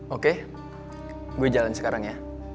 oke gue jalan sekarang ya